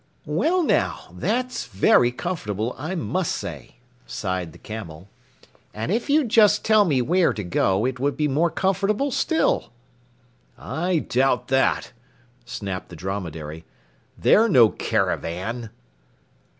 "Well, now, that's very comfortable, I must say," sighed the Camel, "and if you'd just tell me where to go, it would be more comfortable still." "I doubt that," snapped the Dromedary. "They're no caravan."